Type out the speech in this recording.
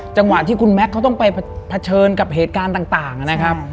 จังหวะที่คุณแม็กซ์เขาต้องไปเผชิญกับเหตุการณ์ต่างนะครับ